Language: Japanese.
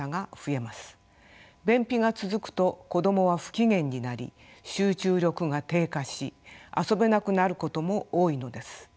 便秘が続くと子どもは不機嫌になり集中力が低下し遊べなくなることも多いのです。